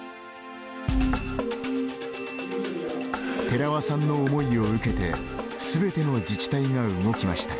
寺輪さんの思いを受けてすべての自治体が動きました。